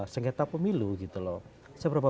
sengketa pemilu gitu loh seberapa